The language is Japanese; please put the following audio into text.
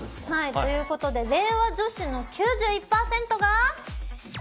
ということで令和女子の９１％が。